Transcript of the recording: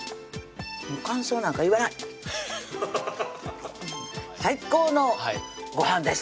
感想なんか言わない最高のご飯です